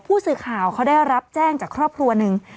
ผู้สื่อข่าวเขาได้รับแจ้งจากครอบครัวหนึ่ง